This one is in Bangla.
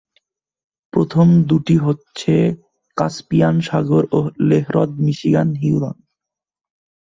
প্রথম দুইটি হচ্ছে কাস্পিয়ান সাগর ও লেহ্রদমিশিগান-হিউরন।